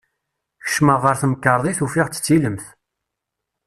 Kecmeɣ ɣer temkerḍit ufiɣ-tt d tilemt.